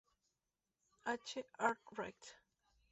H. Arkwright.